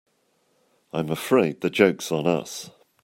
I'm afraid the joke's on us.